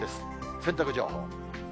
洗濯情報。